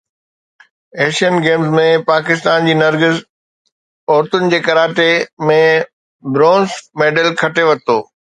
Asian games ۾ Pakistan جي نرگس عورتن جي ڪراٽي ۾ برونز ميڊل کٽي ورتو